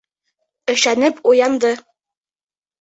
Өшәнеп уянды.